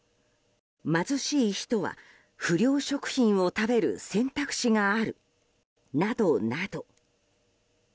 「貧しい人は不良食品を食べる選択肢がある」などなど。